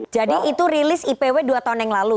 jadi itu rilis ipw dua tahun yang lalu